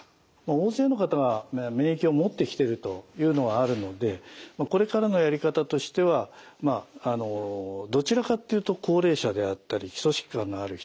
大勢の方が免疫を持ってきてるというのはあるのでこれからのやり方としてはまああのどちらかっていうと高齢者であったり基礎疾患のある人